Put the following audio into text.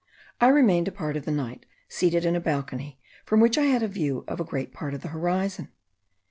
I remained a part of the night seated in a balcony, from which I had a view of a great part of the horizon.